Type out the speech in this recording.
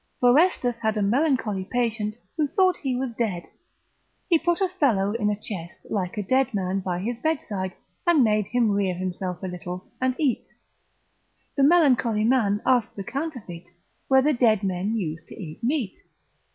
Forestus, obs. lib. 1. had a melancholy patient, who thought he was dead, he put a fellow in a chest, like a dead man, by his bedside, and made him rear himself a little, and eat: the melancholy man asked the counterfeit, whether dead men use to eat meat?